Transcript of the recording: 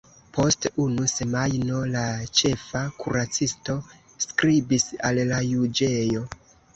Post unu semajno la ĉefa kuracisto skribis al la juĝejo.